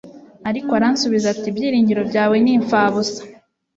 Ariko aransubiza ati Ibyiringiro byawe ni impfabusa